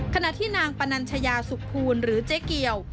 ขณะที่นางปนัญชยาสุขภูลหรือเจ๊เกียว